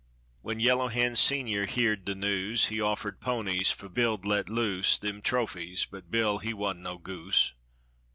When Yellow Hand, Senior, heared the news He offered ponies 'f Bill'd let loose Them trophies but Bill he wa'n't no goose.